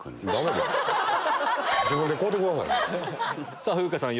さぁ風花さん